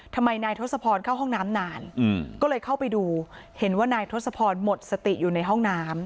ทำไมนายทศพรเข้าห้องน้ำนานก็เลยเข้าไปดูเห็นว่านายทศพรหมดสติอยู่ในห้องน้ำ